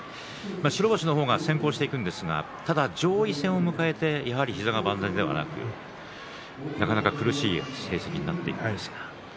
白星の方が先行していくんですがただ上位戦を迎えて膝が万全ではなくなかなか苦しい成績になっていたんですが。